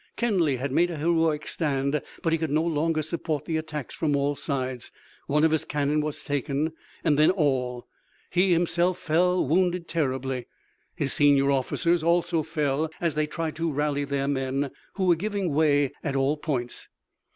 Kenly had made a heroic stand, but he could no longer support the attacks from all sides. One of his cannon was taken and then all. He himself fell wounded terribly. His senior officers also fell, as they tried to rally their men, who were giving way at all points.